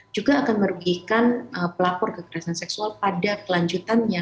juga akan merugikan pelapor kekerasan seksual pada kelanjutannya